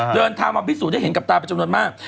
เดินทางมาพิสูจน์จะเห็นกับตาปัจจุนตนมาก